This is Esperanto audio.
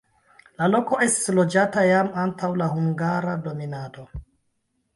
La loko estis loĝata jam antaŭ la hungara dominado.